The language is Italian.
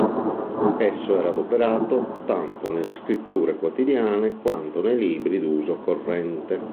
Esso era adoperato tanto nelle scritture quotidiane, quanto nei libri d'uso corrente.